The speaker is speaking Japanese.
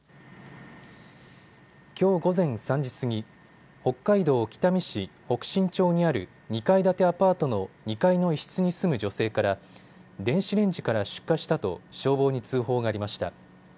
きょう午前３時過ぎ、北海道北見市北進町にある２階建てアパートの２階の一室に住む女性から電子レンジから出火したと消防に通報がありました。